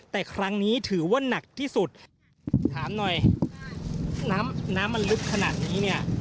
แต่ครั้งนี้ถือว่าหนักที่สุดถามหน่อยน้ำน้ำมันลึกขนาดนี้เนี่ย